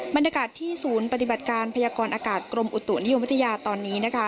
บรรยากาศที่ศูนย์ปฏิบัติการพยากรอากาศกรมอุตุนิยมวิทยาตอนนี้นะคะ